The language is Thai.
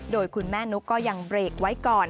โดยคุณแม่นุ๊กก็ยังเบรกไว้ก่อน